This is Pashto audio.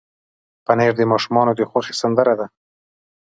پنېر د ماشومانو د خوښې سندره ده.